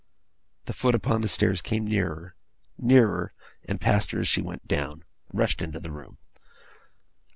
The foot upon the stairs came nearer nearer passed her as she went down rushed into the room!